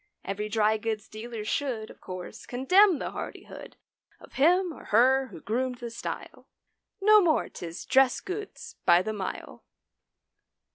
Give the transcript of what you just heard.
Every drygoods dealer should Of course condemn the hardihood Of him or her who groomed the style— No more 'tis dress goods by the mile.